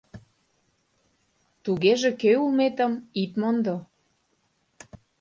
Тугеже кӧ улметым ит мондо!